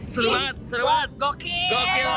seru banget seru banget gokil